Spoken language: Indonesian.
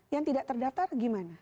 yang tidak terdaftar gimana